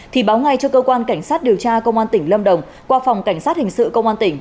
thì báo ngay cho cơ quan cảnh sát điều tra công an tỉnh lâm đồng qua phòng cảnh sát hình sự công an tỉnh